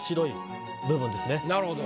なるほど。